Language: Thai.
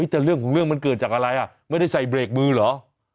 แต่เรื่องของเรื่องมันเกิดจากอะไรไม่ได้ใส่เบรกมือเหรอ